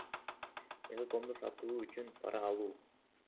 Мегакомду сатуу үчүн пара алуу